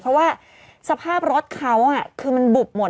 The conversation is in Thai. เพราะว่าสภาพรถเขาคือมันบุบหมด